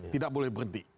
tidak boleh berhenti